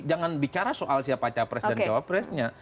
jangan bicara soal siapa capres dan cowok presnya